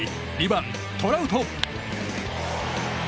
２番、トラウト。